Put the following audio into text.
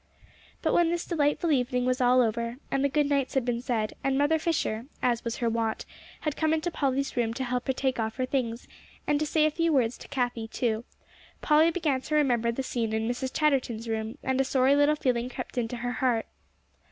But when this delightful evening was all over, and the good nights had been said, and Mother Fisher, as was her wont, had come into Polly's room to help her take off her things, and to say a few words to Cathie too, Polly began to remember the scene in Mrs. Chatterton's room; and a sorry little feeling crept into her heart.